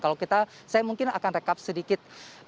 kalau kita saya mungkin akan rekap sedikit